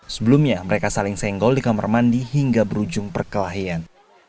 sebelumnya mereka saling senggol di kamar mandi hingga berujung perkelahian